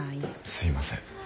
すいません。